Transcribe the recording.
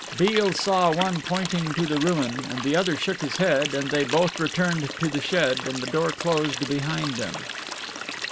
Beale saw one pointing to the ruin and the other shook his head and they both returned to the shed and the door closed behind them.